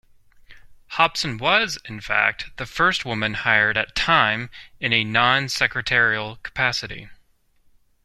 Hobson was, in fact, the first woman hired at "Time" in a non-secretarial capacity.